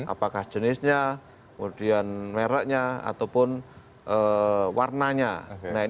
apakah jenisnya kemudian mereknya ataupun warnanya